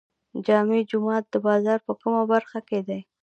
جامع جومات د بازار په کومه برخه کې دی؟